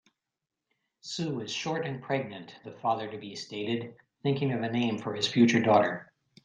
"Sue is short and pregnant", the father-to-be stated, thinking of a name for his future daughter.